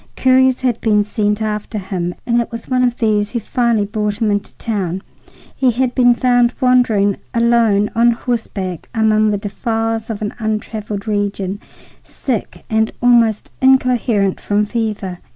Couriers had been sent after him, and it was one of these who finally brought him into town. He had been found wandering alone on horseback among the defiles of an untraveled region, sick and almost incoherent from fever.